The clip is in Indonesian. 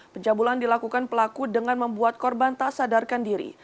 pencabulan dilakukan pelaku dengan membuat korban tak sadarkan diri